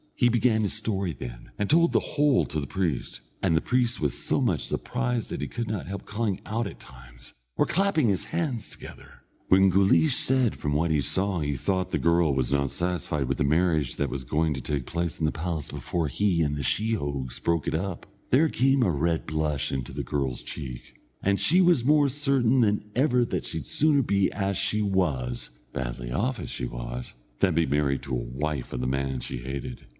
He began his story then, and told the whole to the priest, and the priest was so much surprised that he could not help calling out at times, or clapping his hands together. When Guleesh said from what he saw he thought the girl was not satisfied with the marriage that was going to take place in the palace before he and the sheehogues broke it up, there came a red blush into the girl's cheek, and he was more certain than ever that she had sooner be as she was badly off as she was than be the married wife of the man she hated.